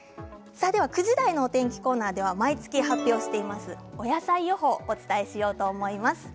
９時台のお天気コーナーでは毎月発表している、お野菜予報をお伝えしようと思います。